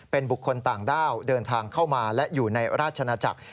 เป็นบุคคลต่างด้าวเดินทางเข้ามาและอยู่ในราชนาจักร